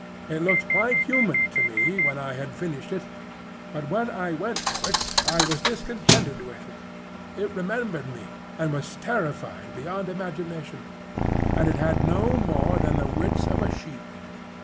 It looked quite human to me when I had finished it; but when I went to it I was discontented with it. It remembered me, and was terrified beyond imagination; and it had no more than the wits of a sheep.